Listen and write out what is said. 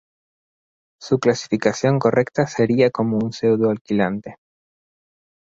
Su clasificación correcta sería como un pseudo-alquilante.